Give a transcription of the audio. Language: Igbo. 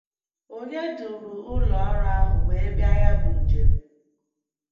onye duru ụlọọrụ ahụ wee bịa ya bụ njem